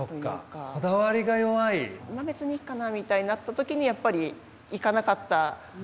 「別にいいかな」みたいになった時にやっぱりいかなかったばっかりに。